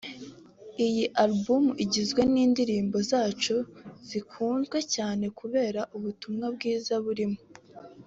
Iyi Album igizwe n’indirimbo zacu zikunzwe cyane kubera ubutumwa bwiza burimo